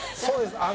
そうです